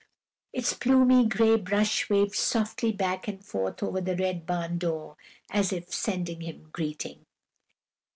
Its plumy gray brush waved softly back and forth over the red barn door as if sending him greeting.